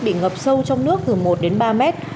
bị ngập sâu trong nước từ một đến ba mét